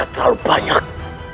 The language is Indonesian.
jangan terlalu banyak